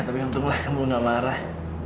ya tapi untunglah kamu nggak marah